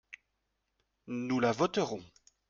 Nous la voterons.